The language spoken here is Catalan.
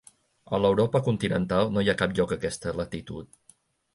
A l'Europa continental no hi ha cap lloc a aquesta latitud.